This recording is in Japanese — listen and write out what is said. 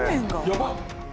やばっ！